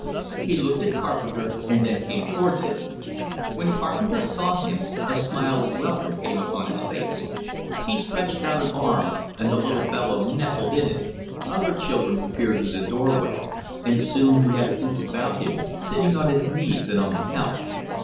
He looked at Carpenter, and then came towards him. When Carpenter saw him, a smile of welcome came upon his face; he stretched out an arm, and the little fellow nestled in it. Other children appeared in the doorway, and soon he had a group about him, sitting on his knees and on the couch.